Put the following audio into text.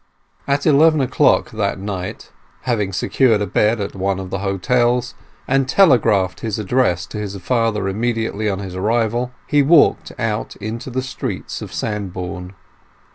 LV At eleven o'clock that night, having secured a bed at one of the hotels and telegraphed his address to his father immediately on his arrival, he walked out into the streets of Sandbourne.